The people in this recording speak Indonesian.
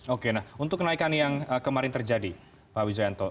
oke untuk kenaikan yang kemarin terjadi pak widjanto